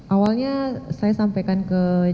awalnya saya sampaikan ke jakarta